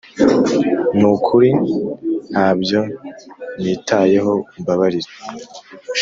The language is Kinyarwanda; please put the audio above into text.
nukuri ntabyo nitayeho umbabarire